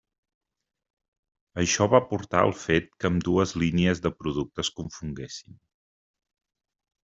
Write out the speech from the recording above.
Això va portar al fet que ambdues línies de producte es confonguessin.